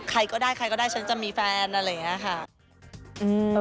ใครก็ได้ฉันจะมีแฟนอะไรอย่างนี้ค่ะ